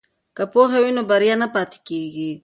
که پوهه وي نو بریا نه پاتې کیږي.